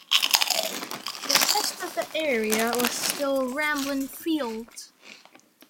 The rest of the area was still rambling fields.